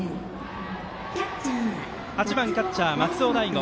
８番キャッチャー、松尾大悟。